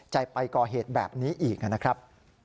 จะไปก่อเหตุแบบนี้อีกนะครับ